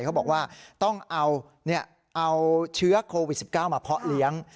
เขาบอกว่าต้องเอาเชื้อโควิด๑๙มาเพาะเลี้ยง